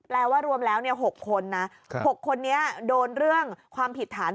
ว่ารวมแล้ว๖คนนะ๖คนนี้โดนเรื่องความผิดฐาน